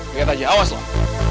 lihat aja awas lo